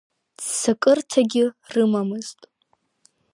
Ццакырҭагьы рымамызт.